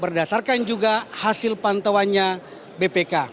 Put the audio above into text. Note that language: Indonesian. berdasarkan juga hasil pantauannya bpk